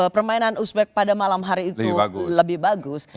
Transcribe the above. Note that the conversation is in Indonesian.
permainan uzbek pada malam hari itu lebih bagus